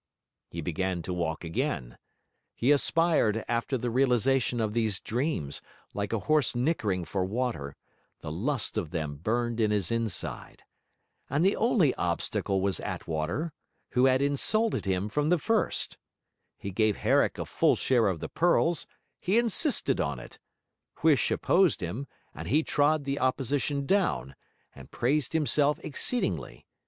He began to walk again. He aspired after the realisation of these dreams, like a horse nickering for water; the lust of them burned in his inside. And the only obstacle was Attwater, who had insulted him from the first. He gave Herrick a full share of the pearls, he insisted on it; Huish opposed him, and he trod the opposition down; and praised himself exceedingly.